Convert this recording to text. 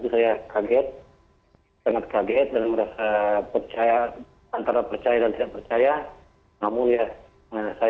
setelah saya mendapat apresiasi dari bapak polri untuk menginjil sekolah inspektur polisi